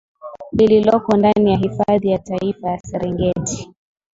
lililoko ndani ya hifadhi ya taifa ya Serengeti